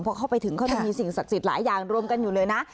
พอเข้าไปถึงเขาจะมีสิ่งศักดิ์สิทธิ์หลายอย่างรวมกันอยู่เลยนะ